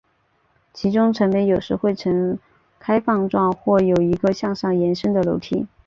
其中城门有时会呈开放状或有一个向上延伸的楼梯。